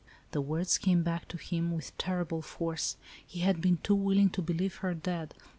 The words came back to him, with terrible force. He had been too willing to believe her dead.